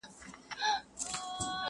په ټولۍ کي به د زرکو واویلا وه,